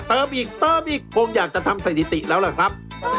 เติมอีกเติมอีกคงอยากจะทำสถิติแล้วล่ะครับ